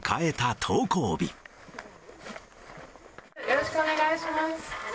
よろしくお願いします。